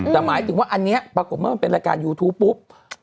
แต่หมายถึงว่าอันนี้ปรากฏเมื่อมันเป็นรายการยูทูปปุ๊บ